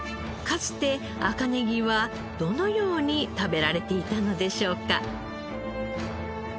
かつて赤ネギはどのように食べられていたのでしょうか？